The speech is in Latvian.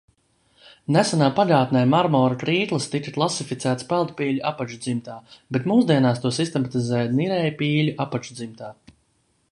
Nesenā pagātnē marmora krīklis tika klasificēts peldpīļu apakšdzimtā, bet mūsdienās to sistematizē nirējpīļu apakšdzimtā.